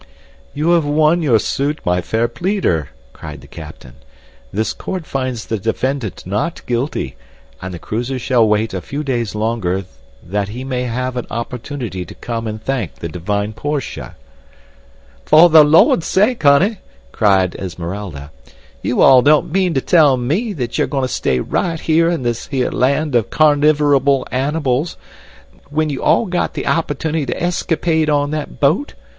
"You have won your suit, my fair pleader," cried the captain. "This court finds the defendant not guilty, and the cruiser shall wait a few days longer that he may have an opportunity to come and thank the divine Portia." "For the Lord's sake honey," cried Esmeralda. "You all don't mean to tell ME that you're going to stay right here in this here land of carnivable animals when you all got the opportunity to escapade on that boat?